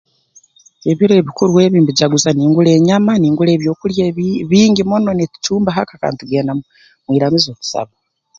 Ebiro ebikuru ebi mbijaguza ningura enyama ningura ebyokulya ebi bingi muno nitucumba ha ka kandi nitugenda mu iramizo tusaba